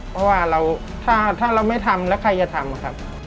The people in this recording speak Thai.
เพราะว่าถ้าเราไม่ทำแล้วใครจะทำครับ